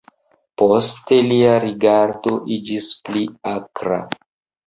Poste lia rigardo iĝis pli akra.